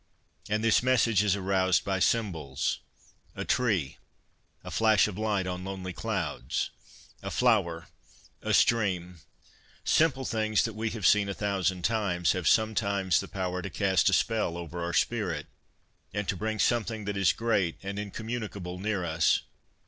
And this message is aroused by symbols ; a tree, a flash of light on lonely clouds, a flower, a stream — simple things that we have seen a thousand times — have sometimes the power to cast a spell over our spirit, and to bring something that is great and incommunicable near us.